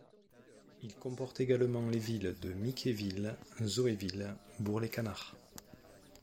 Il comporte également les villes de Mickeyville, Zoieville, Bourg-les-Canards.